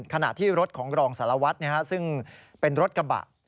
ขณะที่รถของรองสารวัตรซึ่งเป็นรถกระบะ